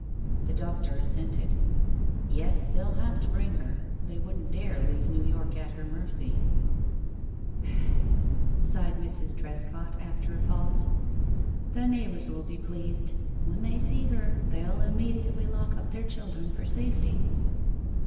The doctor assented. "Yes, they'll have to bring her. They wouldn't dare leave New York at her mercy." "Well," sighed Mrs. Trescott, after a pause, "the neighbors will be pleased. When they see her they'll immediately lock up their children for safety."